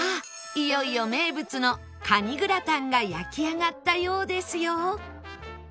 いよいよ名物のカニグラタンが焼き上がったようですよ